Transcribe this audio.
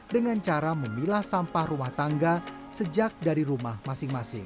dengan cara memilah sampah rumah tangga sejak dari rumah masing masing